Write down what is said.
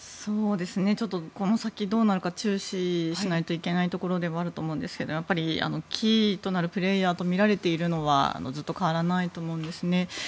ちょっとこの先どうなるか注視しないといけないところではありますがキーとなるプレーヤーとみられているのはずっと変わらないと思うんですね。